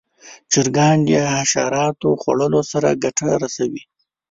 چرګان د حشراتو خوړلو سره ګټه رسوي.